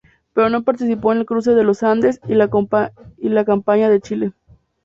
Pero no participó en el Cruce de los Andes y la campaña de Chile.